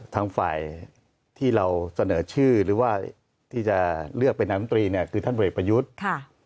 ทางฝ่ายที่เราเสนอชื่อหรือว่าที่จะเลือกเป็นนามตรีเนี่ยคือท่านเบรกประยุทธ์